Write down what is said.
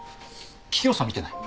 桔梗さん見てない？